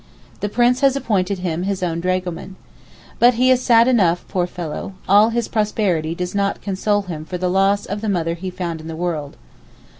The Prince has appointed him his own dragoman. But he is sad enough, poor fellow, all his prosperity does not console him for the loss of 'the mother he found in the world.